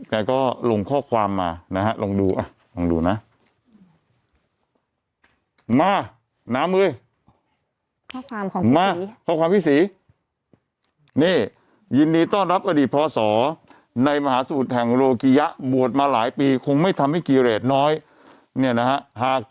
แกก็ลงข้อความมานะฮะลองดูลองดูนะ